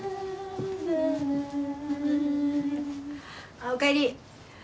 ・あっおかえり。